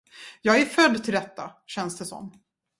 Jag är född till detta, känns det som!